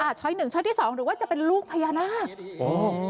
ช้อยที่๒หรือว่าจะเป็นลูกพยานาค